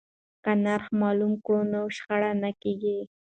که نرخ معلوم کړو نو شخړه نه کیږي.